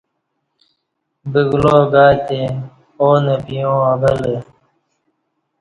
بُگلاو گاتے آو نہ پییے یاں اوہ لہ